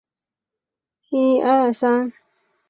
荣获国立编译馆优良漫画奖三次。